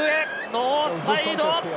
ノーサイド。